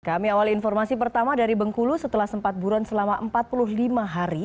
kami awal informasi pertama dari bengkulu setelah sempat buron selama empat puluh lima hari